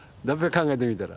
考えてみたら。